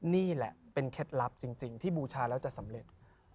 นี่แหละเป็นเคล็ดลับจริงที่บูชาแล้วจะสำเร็จ